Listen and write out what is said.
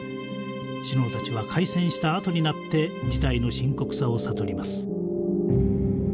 首脳たちは開戦したあとになって事態の深刻さを悟ります。